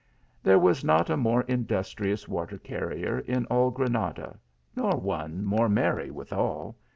There was not a more industrious water carrier in all Granada, nor one more merry withal.